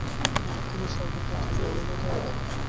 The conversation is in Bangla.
তিনি সর্বপ্রথম অরুনোদয়ে লেখেন।